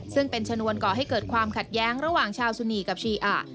ซึ่งเป็นชนวนก่อให้เกิดความขัดแย้งระหว่างชาวสุนีกับชีอะ